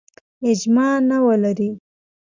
اجماع نه ولري.